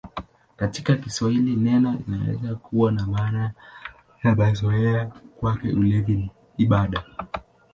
Katika Kiswahili neno linaweza kuwa na maana ya mazoea: "Kwake ulevi ni ibada".